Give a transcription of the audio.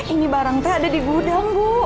ini barang teh ada di gudang bu